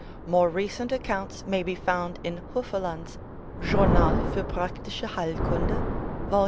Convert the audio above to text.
More recent accounts may be found in Hufeland's "Journal für praktische Heilkunde," vol.